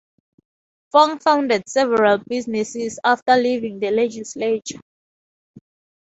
Fong founded several businesses after leaving the legislature.